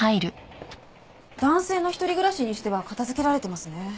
男性の一人暮らしにしては片付けられてますね。